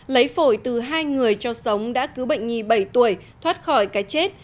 lấy phổi từ hai người cho sống đã cứu bệnh nhi bảy tuổi thoát khỏi cái chết